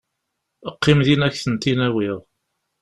Qqim din ad ak-tent-in-awiɣ.